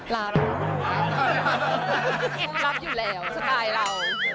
รับอยู่แล้วสไตล์เรา